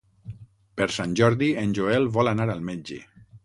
Per Sant Jordi en Joel vol anar al metge.